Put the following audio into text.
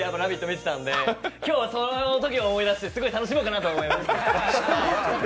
見てたんで今日はそのときを思い出してすごい楽しもうと思います。